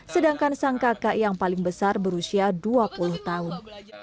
sedangkan sang kakak yang paling besar berusia dua puluh tahun